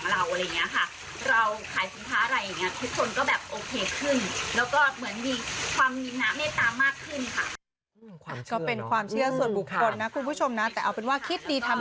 แล้วก็รู้สึกว่าเหมือนตัวแช่น้ำอยู่แล้วก็ตัวเย็นอะไรอย่างนี้ค่ะ